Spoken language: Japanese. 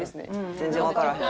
全然わからへん。